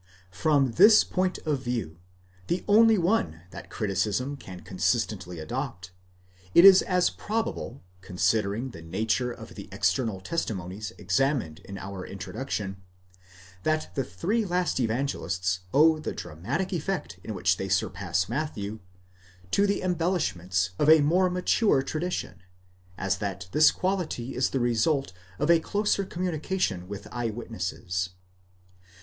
From this point of view—the only one that criticism can consistently adopt—it is as probable, considering the nature of the external testimonies examined in our Introduction, that the three last Evangelists owe the dramatic effect in which they surpass Matthew, to the embellishments of a more mature tradition, as that this quality is the result of a closer communication with eye witnesses.